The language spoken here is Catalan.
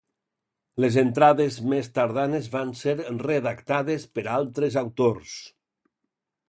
Les entrades més tardanes van ser redactades per altres autors.